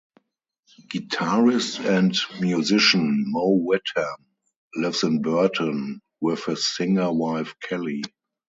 Guitarist and musician Mo Witham lives in Burton with his singer wife Kelly.